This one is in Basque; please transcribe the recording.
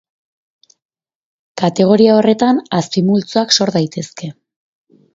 Kategoria horretan azpimultzoak sor daitezke.